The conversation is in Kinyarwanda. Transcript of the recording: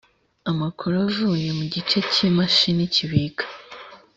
amakuru avuye mu gice cy imashini kibika